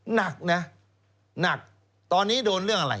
หนักนะหนักตอนนี้โดนเรื่องอะไร